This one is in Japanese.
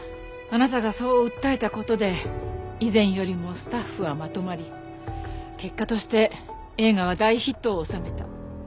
あなたがそう訴えた事で以前よりもスタッフはまとまり結果として映画は大ヒットを収めた。